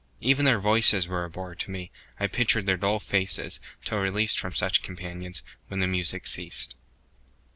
Even their voices were a bore to me; I pictured their dull faces, till released From such companions, when the music ceased.